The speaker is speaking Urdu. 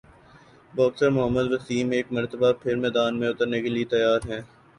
باکسر محمد وسیم ایک مرتبہ پھر میدان میں اترنےکیلئے تیار ہیں